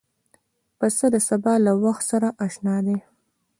پسه د سبا له وخت سره اشنا دی.